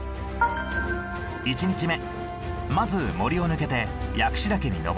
１日目まず森を抜けて薬師岳に登り稜線の山小屋へ。